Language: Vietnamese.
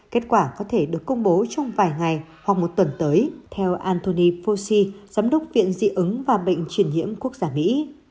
kết quả có thể được công bố trong vài ngày hoặc một tuần tới theo anthony fossey giám đốc viện diễn ứng và bệnh truyền nhiễm quốc gia mỹ